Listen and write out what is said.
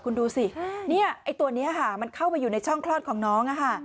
คุณดูสิตัวนี้มันเข้าไปอยู่ในช่องคลอดของน้อง